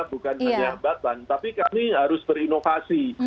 bukan hanya hambatan tapi kami harus berinovasi